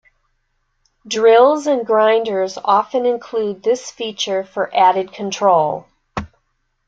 Drills and grinders often include this feature for added control.